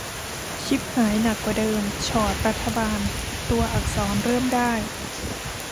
ฉิบหายหนักกว่าเดิม ฉอดรัฐบาล ตัวอักษร เริ่มได้